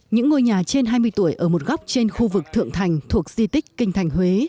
những ngôi nhà trên hai mươi tuổi ở một góc trên khu vực thượng thành thuộc di tích kinh thành huế